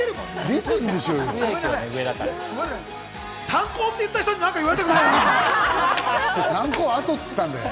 炭鉱って言った人になんか言われたくないよ！